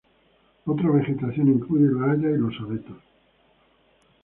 Otra vegetación incluye las hayas y los abetos.